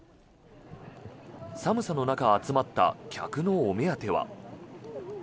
寒さの中集まった客のお目当ては。